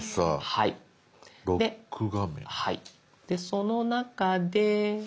その中で。